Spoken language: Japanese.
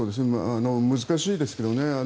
難しいですけどね。